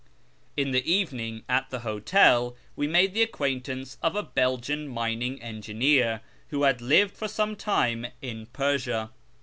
In the evening at the hotel we made tlie acquaintance of a Belgian mining engineer, who had lived for some time in Persia.